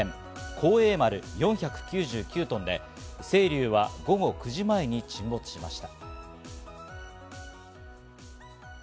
「幸栄丸」４９９トンで、「せいりゅう」は午後９時前に沈没しました。